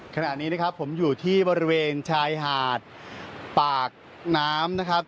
ขณะนี้นะครับผมอยู่ที่บริเวณชายหาดปากน้ำนะครับ